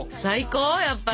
やっぱり。